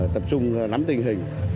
tập trung nắm tình hình